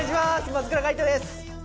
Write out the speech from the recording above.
松倉海斗です。